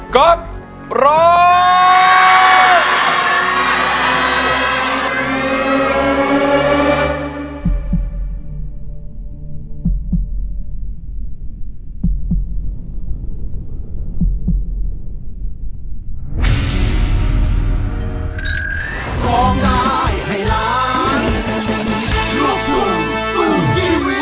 ก๊อฟร้อง